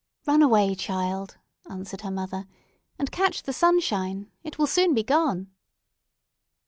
"Run away, child," answered her mother, "and catch the sunshine. It will soon be gone."